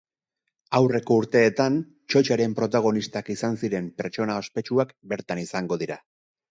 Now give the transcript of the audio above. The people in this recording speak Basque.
Aurreko urteetan txotxaren protagonistak izan ziren pertsona ospetsuak bertan izango dira.